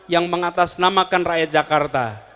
yang mengatasnamakan rakyat jakarta